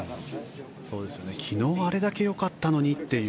昨日あれだけよかったのにという。